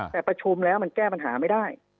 แต่ประชุมแล้วมันแก้ปัญหาไม่ได้